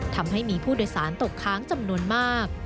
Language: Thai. ทำให้มีผู้โดยสารตกค้างจำนวนมาก